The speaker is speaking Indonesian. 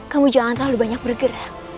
kamu jangan terlalu banyak bergerak